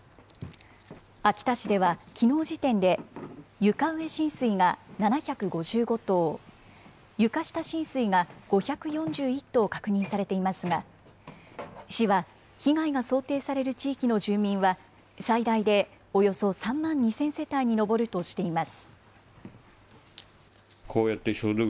秋田市では、きのう時点で床上浸水が７５５棟、床下浸水が５４１棟確認されていますが、市は被害が想定される地域の住民は最大でおよそ３万２０００世帯に上るとしています。